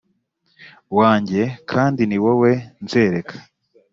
wanjye kandi ni wowe nzereka